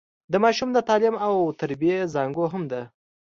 د ماشوم د تعليم او تربيې زانګو هم ده.